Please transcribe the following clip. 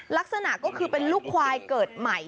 ลักษณะก็คือเป็นลูกควายเกิดใหม่